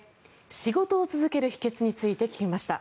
仕事を続ける秘けつについて聞きました。